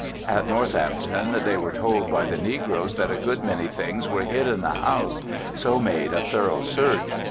At Northampton they were told by the negroes that a good many things were hid in the house, so made a thorough search.